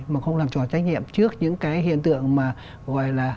mà không làm trò trách nhiệm trước những cái hiện tượng mà gọi là